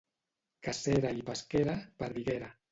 Cacera i pesquera, perdiguera.